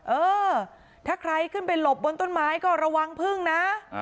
เออถ้าใครขึ้นไปหลบบนต้นไม้ก็ระวังพึ่งนะ